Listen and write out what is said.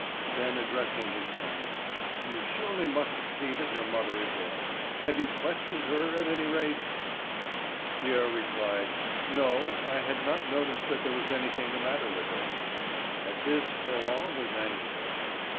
Then, addressing his son, "You surely must see that your mother is ill. Have you questioned her, at any rate?" Pierre replied: "No; I had not noticed that there was anything the matter with her." At this Roland was angry.